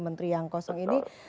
menteri yang kosong ini